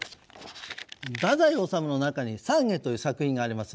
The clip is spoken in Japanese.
太宰治の中に「散華」という作品があります。